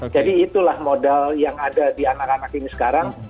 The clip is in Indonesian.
jadi itulah modal yang ada di anak anak ini sekarang